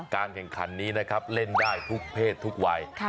การแข่งขันนี้นะครับเล่นได้ทุกเพศทุกวัย